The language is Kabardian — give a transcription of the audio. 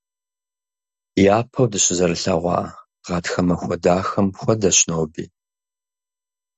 Япэу дыщызэрылъэгъуа гъатхэ махуэ дахэм хуэдэщ ноби.